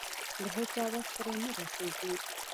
د هيچا وس پرې نه رسېږي.